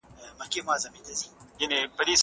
د ژوند دغه شېبې په ډېرې سختۍ او زګیروي تېرېږي.